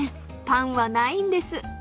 パンはないんです］